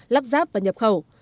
lắp ráp và nhập khẩu